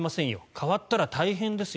変わったら大変ですよ